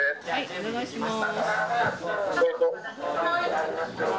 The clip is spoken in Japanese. お願いします。